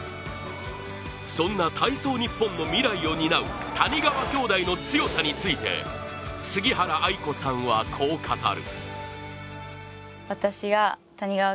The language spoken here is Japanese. そんな体操日本の未来を担う谷川兄弟の強さについて、杉原愛子さんは、こう語る。